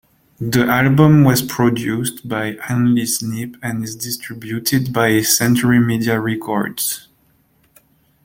The album was produced by Andy Sneap and is distributed by Century Media Records.